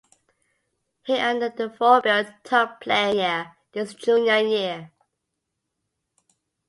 He earned the Ford Built Tough Player year his Junior year.